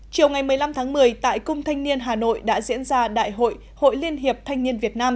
chiều ngày một mươi năm tháng một mươi tại cung thanh niên hà nội đã diễn ra đại hội hội liên hiệp thanh niên việt nam